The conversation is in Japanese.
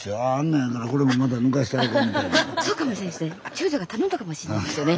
長女が頼んだかもしれないですよね。